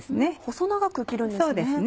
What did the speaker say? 細長く切るんですね。